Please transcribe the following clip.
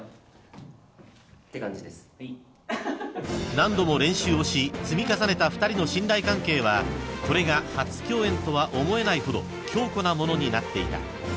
［何度も練習をし積み重ねた２人の信頼関係はこれが初共演とは思えないほど強固なものになっていた］